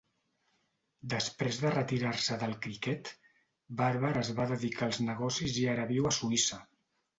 Després de retirar-se del criquet, Barber es va dedicar als negocis i ara viu a Suïssa.